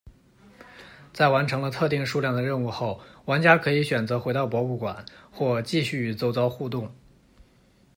在完成了特定数量的任务后，玩家可以选择回到博物馆或继续与周遭互动。